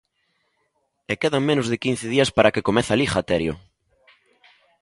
E quedan menos de quince días para que comece a Liga, Terio.